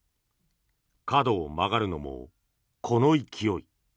角を曲がるのもこの勢い。